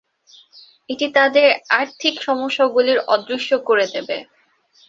এটি তাদের আর্থিক সমস্যাগুলি অদৃশ্য করে দেবে।